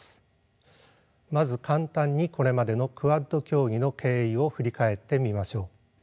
まず簡単にこれまでのクアッド協議の経緯を振り返ってみましょう。